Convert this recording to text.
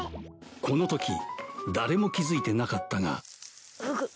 このとき誰も気づいてなかったがふぐっ！